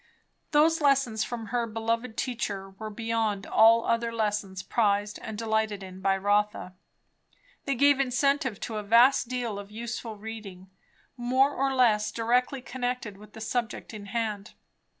Those lessons from her beloved teacher were beyond all other lessons prized and delighted in by Rotha. They gave incentive to a vast deal of useful reading, more or less directly connected with the subject in hand.